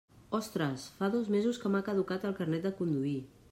Ostres, fa dos mesos que m'ha caducat el carnet de conduir.